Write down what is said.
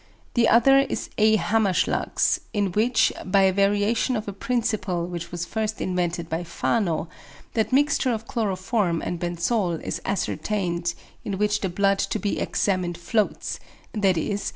The other is A. Hammerschlag's, in which, by a variation of a principle which was first invented by Fano, that mixture of chloroform and benzol is ascertained in which the blood to be examined floats, _i.e.